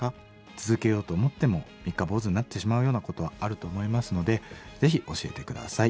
続けようと思っても三日坊主になってしまうようなことはあると思いますのでぜひ教えて下さい。